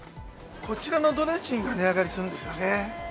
こちらのドレッシングが値上がりするんですよね。